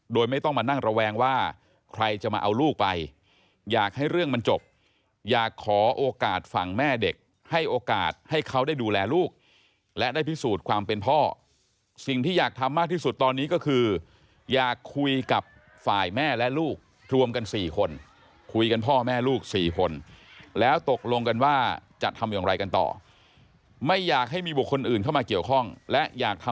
โดยไม่ต้องมานั่งระแวงว่าใครจะมาเอาลูกไปอยากให้เรื่องมันจบอยากขอโอกาสฝั่งแม่เด็กให้โอกาสให้เขาได้ดูแลลูกและได้พิสูจน์ความเป็นพ่อสิ่งที่อยากทำมากที่สุดตอนนี้ก็คืออยากคุยกับฝ่ายแม่และลูกรวมกัน๔คนคุยกันพ่อแม่ลูกสี่คนแล้วตกลงกันว่าจะทำอย่างไรกันต่อไม่อยากให้มีบุคคลอื่นเข้ามาเกี่ยวข้องและอยากทำ